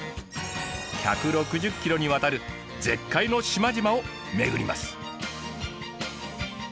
１６０ｋｍにわたる絶海の島々を巡ります！